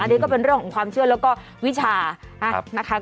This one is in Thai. อันนี้ก็เป็นเรื่องของความเชื่อแล้วก็วิชานะคะ